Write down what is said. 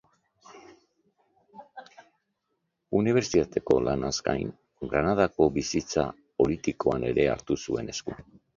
Unibertsitateko lanaz gain, Granadako bizitza politikoan ere hartu zuen esku.